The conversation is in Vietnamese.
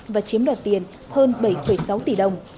và chiếm đoạt tiền hơn bảy sáu tỷ đồng